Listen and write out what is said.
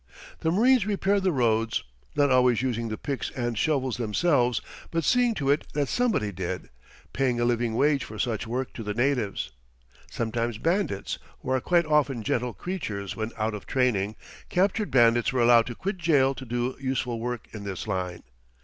The marines repaired the roads; not always using the picks and shovels themselves, but seeing to it that somebody did, paying a living wage for such work to the natives. Sometimes bandits who are quite often gentle creatures when out of training captured bandits were allowed to quit jail to do useful work in this line.